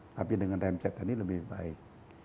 tapi dengan rem cek tadi lebih baik